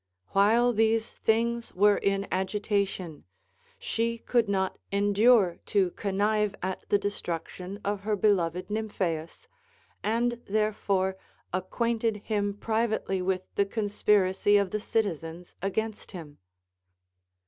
While these things were in agitation, she could not endure to connive at the destruction of her beloved Nymphaeus, and there fore acquainted him privately with tlie conspiracy of the citizens against him.